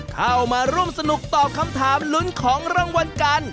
เข้ามาร่วมสนุกตอบคำถามลุ้นของรางวัลกัน